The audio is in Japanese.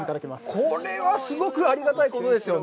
これはすごくありがたいことですよね。